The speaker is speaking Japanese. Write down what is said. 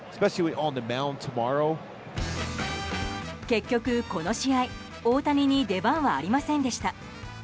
結局この試合大谷に出番はありませんでした。